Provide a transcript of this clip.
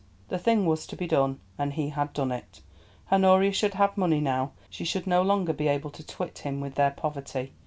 The thing was to be done, and he had done it. Honoria should have money now; she should no longer be able to twit him with their poverty.